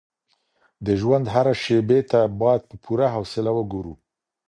د ژوند هرې شېبې ته باید په پوره حوصله وګورو.